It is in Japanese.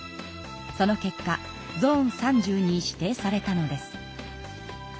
その結果ゾーン３０に指定されたのです。